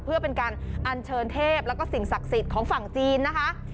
เพื่อเป็นการอัญเชิญเทพแล้วก็สิ่งศักดิ์สิทธิ์ของฝั่งจีนนะคะ